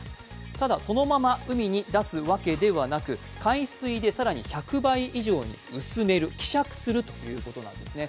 ただそのまま海に出すわけではなく海水で更に１００倍に薄める希釈するということなんですね。